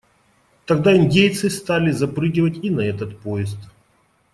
Тогда индейцы стали запрыгивать и на этот поезд.